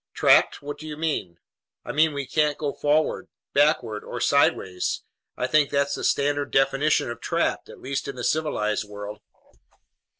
"Trapped! What do you mean?" "I mean we can't go forward, backward, or sideways. I think that's the standard definition of 'trapped,' at least in the civilized world."